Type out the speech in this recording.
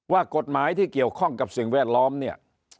ว่ากฎหมายที่เกี่ยวข้องกับสิ่งแวดล้อมเนี่ย